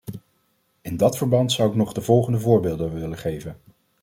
In dat verband zou ik nog de volgende voorbeelden willen geven.